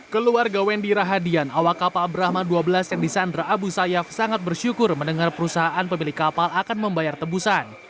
keluarga wendy rahadian awak kapal brahma dua belas yang disandra abu sayyaf sangat bersyukur mendengar perusahaan pemilik kapal akan membayar tebusan